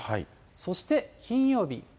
そして金曜日。